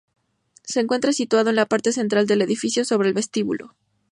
Se encuentra situado en la parte central del Edificio, sobre el vestíbulo.